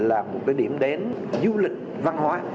một điểm đến du lịch văn hóa